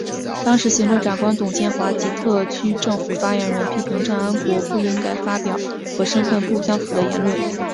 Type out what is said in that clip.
当时行政长官董建华及特区政府发言人批评郑安国不应发表和身份不相符的言论。